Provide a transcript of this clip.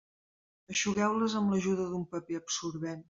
Eixugueu-les amb l'ajuda d'un paper absorbent.